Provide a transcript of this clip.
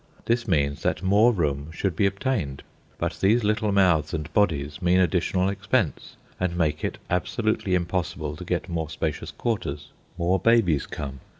This means that more room should be obtained; but these little mouths and bodies mean additional expense and make it absolutely impossible to get more spacious quarters. More babies come.